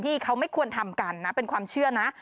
ที่เขาไม่ควรทำกันนะเป็นความเชื่อนะ